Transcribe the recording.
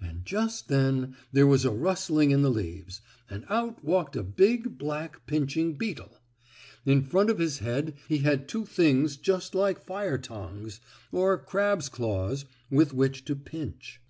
And just then there was a rustling in the leaves, and out walked a big black, pinching beetle. In front of his head he had two things just like fire tongs, or a crab's claws, with which to pinch.